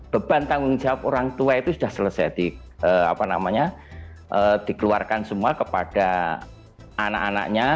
beban tanggung jawab orang tua itu sudah selesai dikeluarkan semua kepada anak anaknya